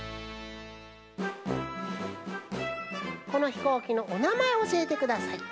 このひこうきのおなまえおしえてください。